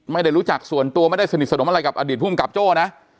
ไม่ได้รู้จักส่วนตัวไม่ได้สนิทสนมอะไรกับอดีตภูมิกับโจ้นะ